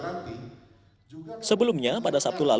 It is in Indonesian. sebelumnya pada sabtu lalu pemerintah melakukan soal perubahan